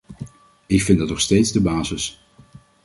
Ik vind dat nog steeds de basis...